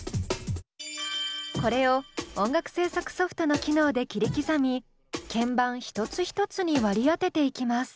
これを音楽制作ソフトの機能で切り刻み鍵盤一つ一つに割り当てていきます。